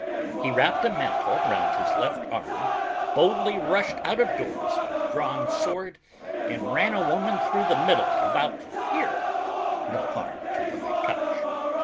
He wrapped a mantle around his left arm, boldly rushed out of doors with drawn sword, and ran a woman through the middle about here, no harm to what I touch.